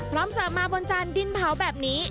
เสิร์ฟมาบนจานดินเผาแบบนี้